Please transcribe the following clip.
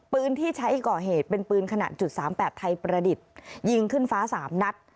ปืนที่ใช้ก่อเหตุเป็นปืนขนาดจุดสามแปดไทยประดิษฐ์ยิงขึ้นฟ้า๓นัด